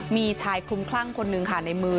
มีชายคลุมคลั่งคนหนึ่งค่ะในมือ